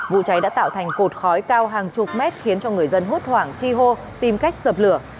vụ cháy đã tạo thành cột khói cao hàng chục mét khiến cho người dân hốt hoảng chi hô tìm cách dập lửa